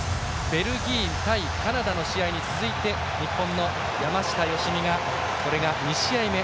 ベルギー対カナダの試合に続いて日本の山下良美がこれが２試合目。